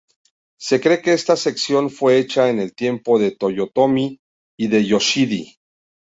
Se cree que esta sección fue hecha en el tiempo de Toyotomi Hideyoshi.